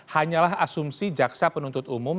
hanyalah asumsi jaksa penuntut umum